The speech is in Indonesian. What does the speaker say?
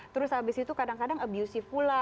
terus habis itu kadang kadang abusive pula